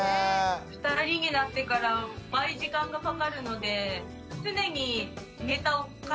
２人になってから倍時間がかかるのでえ